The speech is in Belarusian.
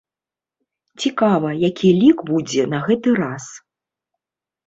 Цікава, якія лік будзе на гэты раз.